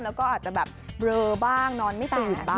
แล้วก็อาจจะแบบเบลอบ้างนอนไม่ตื่นบ้าง